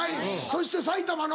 そして埼玉の？